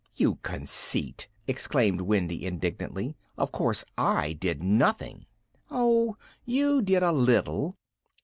"You conceit," exclaimed Wendy indignantly, "of course I did nothing!" "Oh! you did a little!"